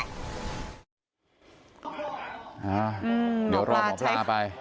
เดี๋ยวรอหมอปลาไป